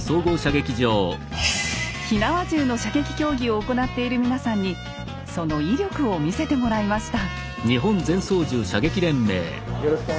火縄銃の射撃競技を行っている皆さんにその威力を見せてもらいました。